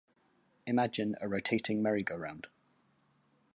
Imagine a rotating merry-go-round.